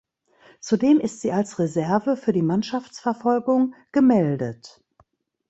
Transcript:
Zudem ist sie als Reserve für die Mannschaftsverfolgung gemeldet.